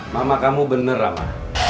mama kamu bener mama